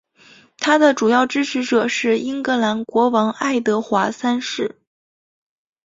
他的主要支持者是英格兰国王爱德华三世。